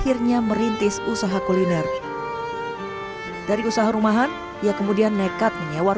kisah sukses cici berawal ketika dia harus berpisah dengan sang suami